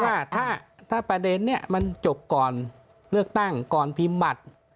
ว่าถ้าประเด็นนี้มันจบก่อนเลือกตั้งก่อนพิมพ์บัตร